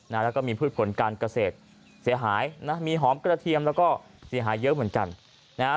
แล้วก็มีพืชผลการเกษตรเสียหายนะมีหอมกระเทียมแล้วก็เสียหายเยอะเหมือนกันนะฮะ